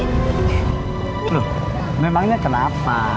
loh memangnya kenapa